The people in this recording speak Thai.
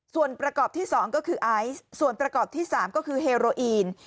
ส่วนประกอบที่๒ก็คือไอซ์ส่วนประกอบที่๓ก็คือเฮโรอีน